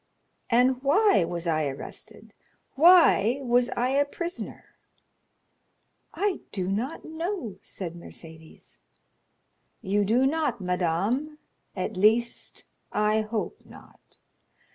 "And why was I arrested? Why was I a prisoner?" "I do not know," said Mercédès. "You do not, madame; at least, I hope not.